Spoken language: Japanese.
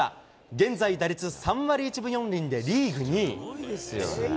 現在、打率３割１分４厘でリーグ２位。